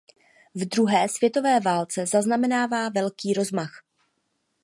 V druhé světové válce zaznamenává velký rozmach.